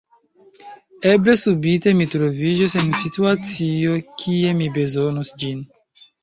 Eble subite, mi troviĝos en situacio, kie mi bezonos ĝin.